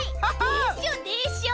でしょでしょ？